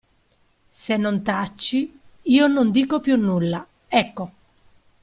Se non taci, io non dico più nulla, ecco.